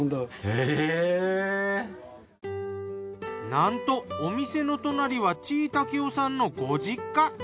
なんとお店の隣は地井武男さんのご実家。